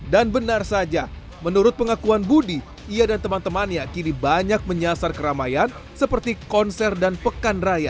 dan benar saja menurut pengakuan budi ia dan teman temannya kini banyak menyasar keramaian seperti konser dan pekan raya